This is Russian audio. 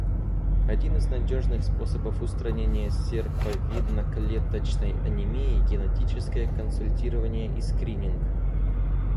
Один из надежных способов устранения серповидно-клеточной анемии — генетическое консультирование и скрининг.